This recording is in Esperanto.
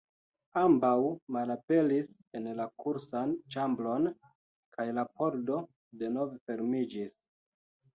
Ambaŭ malaperis en la kursan ĉambron kaj la pordo denove fermiĝis.